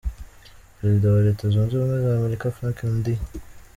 Perezida wa Leta zunze ubumwe za Amerika Franklin D.